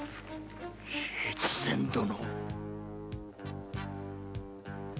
越前殿！？